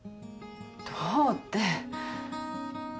どうって。